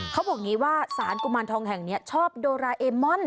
เขาบอกอย่างนี้ว่าสารกุมารทองแห่งนี้ชอบโดราเอมอน